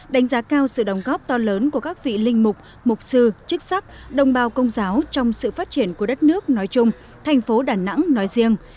đánh giá cao sự đóng góp to lớn của các vị linh mục mục sư chức sắc đồng bào công giáo trong sự phát triển của đất nước nói chung thành phố đà nẵng nói riêng